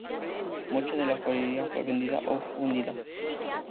Mucha de la joyería fue vendida o fundida.